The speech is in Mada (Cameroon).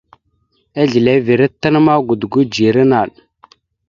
Izleveré tan ma godogo idzeré naɗ.